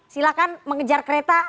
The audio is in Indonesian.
silakan mengejar kereta